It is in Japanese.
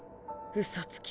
嘘つき。